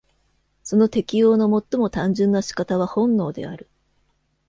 その適応の最も単純な仕方は本能である。